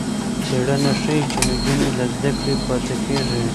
څېړنه ښيي چې نجونې له زده کړې پاتې کېږي.